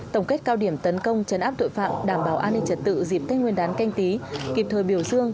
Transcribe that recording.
tổng kết cao điểm tấn công chấn áp tội phạm đảm bảo an ninh trật tự dịp tết nguyên đán canh tí kịp thời biểu dương